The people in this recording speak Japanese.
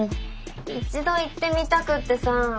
一度行ってみたくってさあ。